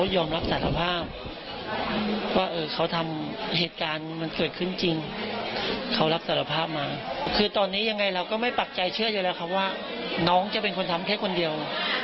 ยังไงเราก็ไม่ปรักใจเชื่ออยู่แล้วคำว่าน้องจะเป็นคนทำแค่คนเดียว